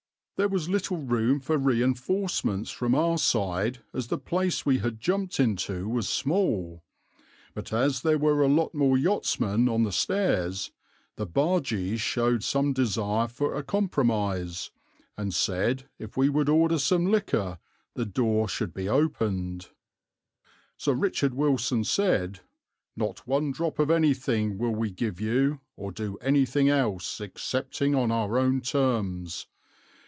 There was little room for reinforcements from our side as the place we had jumped into was small, but as there were a lot more yachtsmen on the stairs, the bargees showed some desire for a compromise, and said if we would order some liquor the door should be opened. Sir R. Wilson said, 'Not one drop of anything will we give you, or do anything else, excepting on our own terms.